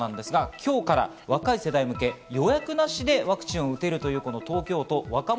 今日から若い世代向け、予約なしでワクチンを打てるという東京都若者